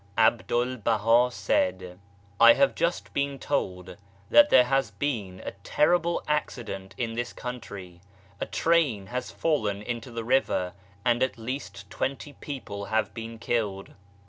A BDUL BAHA said :^~* I have just been told that there has been a terrible accident in this country. A train has fallen into the river and at least twenty people have been killed.